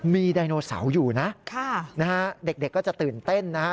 มีไดโนเสาร์อยู่นะเด็กก็จะตื่นเต้นนะฮะ